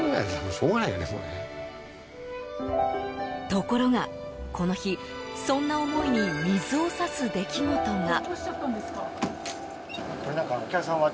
ところが、この日そんな思いに水を差す出来事が。